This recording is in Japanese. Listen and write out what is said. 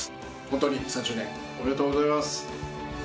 本当に３０年おめでとうございます。